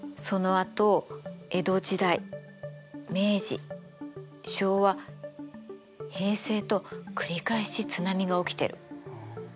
そのあと江戸時代明治昭和平成と繰り返し津波が起きてる。